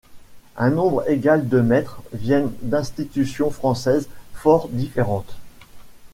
Un nombre égal de maîtres viennent d'institutions françaises fort différentes.